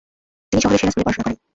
তিনি শহরের সেরা স্কুলে পড়াশোনা করেন।